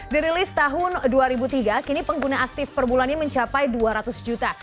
dirilis tahun dua ribu tiga kini pengguna aktif per bulannya mencapai dua ratus juta